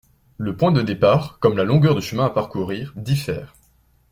Le point de départ, comme la longueur du chemin à parcourir diffèrent.